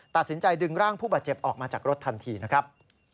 ตัดสินใจดึงร่างผู้บาดเจ็บออกมาจากรถทันทีนะครับ